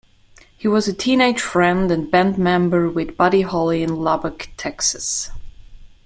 He was a teenage friend and band member with Buddy Holly in Lubbock, Texas.